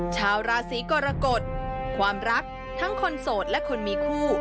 ชาวราศีกรกฎความรักทั้งคนโสดและคนมีคู่